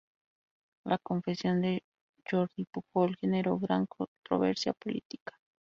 La confesión de Jordi Pujol generó gran controversia política.